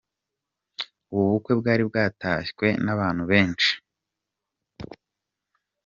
Ubu bukwe bwari bwatashywe n'abantu benshi.